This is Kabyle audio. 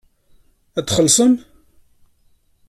Ad xellṣem?